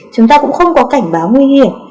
chúng ta cũng không có cảnh báo nguy hiểm